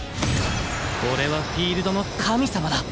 俺はフィールドの神様だ